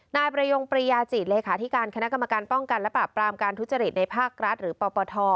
นายประยงปริยาจิตเลขาธิการคณะกรรมการป้องกันและปราบปรามการทุจริตในภาครัฐหรือปปท